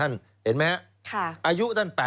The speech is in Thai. สวัสดีครับคุณผู้ชมค่ะต้อนรับเข้าที่วิทยาลัยศาสตร์